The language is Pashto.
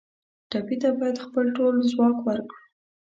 ټپي ته باید خپل ټول ځواک ورکړو.